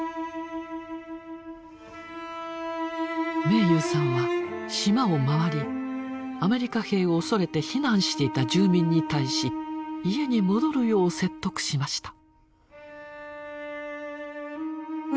明勇さんは島をまわりアメリカ兵を恐れて避難していた住民に対し家に戻るよう説得しました。